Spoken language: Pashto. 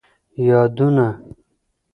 یادونه